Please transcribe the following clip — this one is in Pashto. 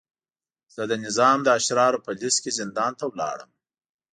زه د نظام د اشرارو په لست کې زندان ته ولاړم.